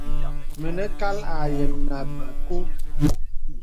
Mənə kàl àyə̀l nà ābi kū.